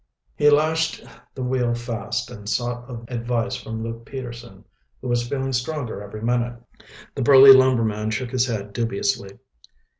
He lashed the wheel fast and sought advice from Luke Peterson, who was feeling stronger every minute. The burly lumberman shook his head dubiously.